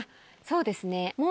そうですね。